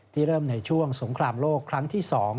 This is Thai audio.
เริ่มในช่วงสงครามโลกครั้งที่๒